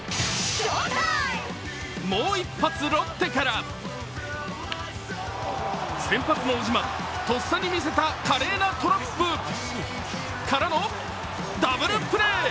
もう一発ロッテから先発の小島、とっさにみせた華麗なトラップ！からのダブルプレー。